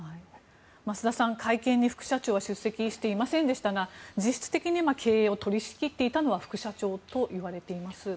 増田さん、会見に副社長は出席していませんでしたが実質的に経営を取り仕切っていたのは副社長といわれています。